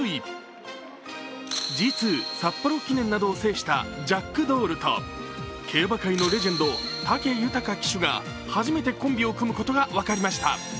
ＧⅡ札幌記念などを制したジャックドールと競馬界のレジェンド、武豊騎手が初めてコンビを組むことが分かりました。